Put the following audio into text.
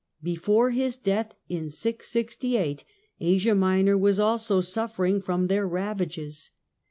Before his death, in 668, Asia Minor was also suffering from their ravages.